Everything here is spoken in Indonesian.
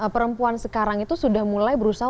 perempuan sekarang itu sudah mulai berusaha